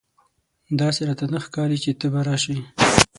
داسي راته نه ښکاري چې ته به راسې !